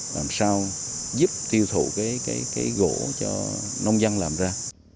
làm sao giúp tiêu thụ cái gỗ cho nông dân làm ra